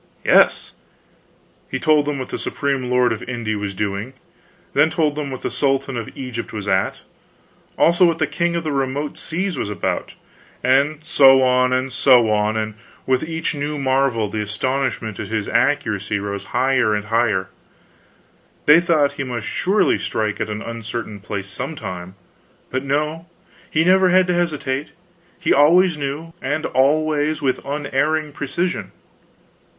Yes. He told them what the Supreme Lord of Inde was doing. Then he told them what the Sultan of Egypt was at; also what the King of the Remote Seas was about. And so on and so on; and with each new marvel the astonishment at his accuracy rose higher and higher. They thought he must surely strike an uncertain place some time; but no, he never had to hesitate, he always knew, and always with unerring precision.